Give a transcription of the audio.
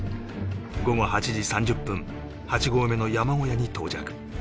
午後８時３０分８合目の山小屋に到着